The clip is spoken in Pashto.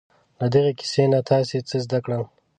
له دغې کیسې نه تاسې څه زده کړل؟